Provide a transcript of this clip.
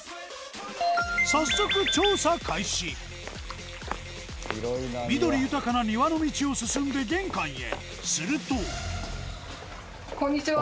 さっそく緑豊かな庭の道を進んで玄関へするとこんにちは。